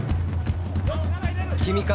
君か？